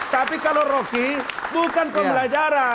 tapi kalau rocky bukan pembelajaran